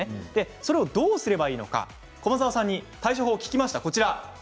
それを、どうすればいいのか駒澤さんに対処法を聞きました。